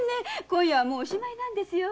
今夜はおしまいなんですよ。